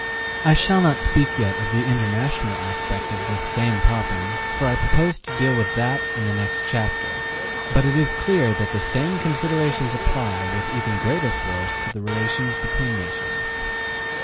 I shall not speak yet of the international aspect of this same problem, for I propose to deal with that in the next chapter, but it is clear that the same considerations apply with even greater force to the relations between nations.